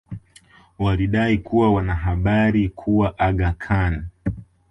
walidai kuwa wana habari kuwa Aga Khan